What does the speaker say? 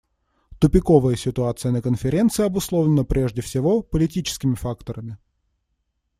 Тупиковая ситуация на Конференции обусловлена прежде всего политическими факторами.